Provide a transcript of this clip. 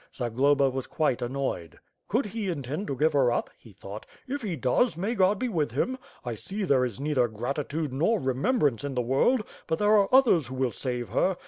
Zagloba was quite an noyed. Could he intend to give her up? he thought. If he does, may jrod be with him. I see there is neither gratitude nor rem mbrance in the world; but there are others who will save her.